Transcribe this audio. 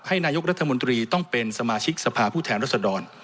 นายกรัฐมนตรีต้องเป็นสมาชิกสภาพผู้แทนรัศดร